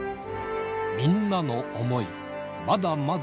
みんなの想い、まだまだ！